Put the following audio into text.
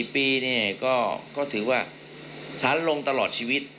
๔ปีก็ถือว่าสารลงตลอดชีวิต